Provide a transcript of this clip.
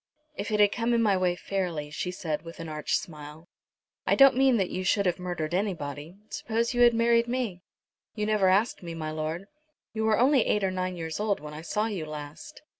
"If it had come in my way fairly," she said with an arch smile. "I don't mean that you should have murdered anybody. Suppose you had married me?" "You never asked me, my lord." "You were only eight or nine years old when I saw you last."